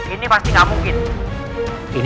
ini pasti gak mungkin